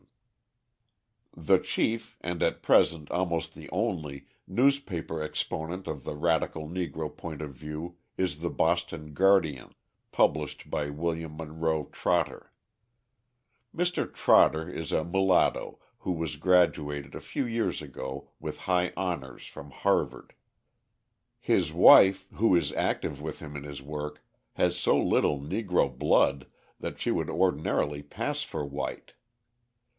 [Illustration: DR. W. E. B. DU BOIS of Atlanta University Photograph by Purdy] The chief, and at present almost the only, newspaper exponent of the radical Negro point of view is the Boston Guardian, published by William Monroe Trotter. Mr. Trotter is a mulatto who was graduated a few years ago with high honours from Harvard. His wife, who is active with him in his work, has so little Negro blood that she would ordinarily pass for white.